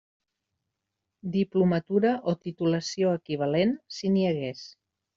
Diplomatura, o titulació equivalent si n'hi hagués.